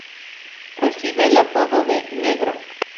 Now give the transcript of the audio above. Recibe el apodo de "Negro".